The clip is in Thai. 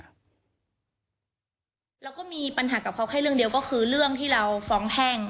แล้วก็มีปัญหากับเขาแค่เรื่องเดียวก็คือเรื่องที่เราฟ้องแพ่ง